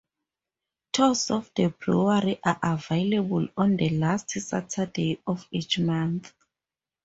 Tours of the brewery are available on the last Saturday of each month.